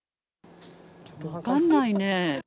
ちょっと分かんないね。